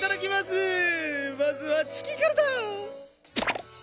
まずはチキンからだ！